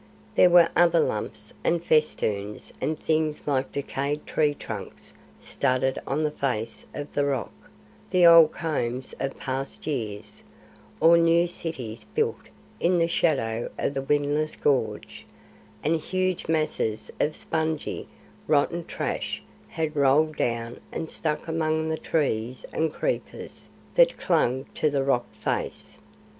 There were other lumps and festoons and things like decayed tree trunks studded on the face of the rock, the old combs of past years, or new cities built in the shadow of the windless gorge, and huge masses of spongy, rotten trash had rolled down and stuck among the trees and creepers that clung to the rock face.